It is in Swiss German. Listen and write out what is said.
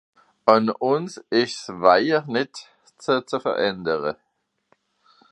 Àn ùns ìsch ’s wajer nìtt se ze verändere.